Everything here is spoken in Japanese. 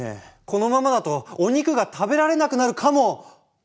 このままだとお肉が食べられなくなるかも！